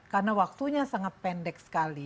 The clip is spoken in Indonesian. karena waktunya sangat pendek